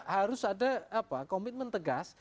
harus ada komitmen tegas